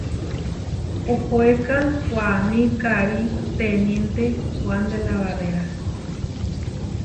Ohoéka waʼámi karí teniénte Huán de la Barréra.